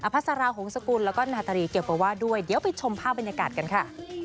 ภาษาราหงษกุลแล้วก็นาตรีเกี่ยวกับว่าด้วยเดี๋ยวไปชมภาพบรรยากาศกันค่ะ